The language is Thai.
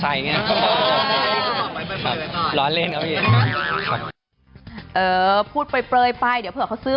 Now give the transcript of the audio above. ไม่เลยครับผมผมไม่ซีเรียสครับผม